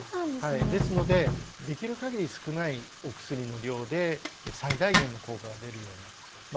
ですのでできるかぎり少ないお薬の量で最大限の効果が出るようなまあ